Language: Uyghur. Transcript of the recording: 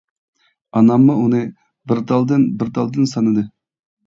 ئاناممۇ ئۇنى بىر تالدىن بىر تالدىن سانىدى.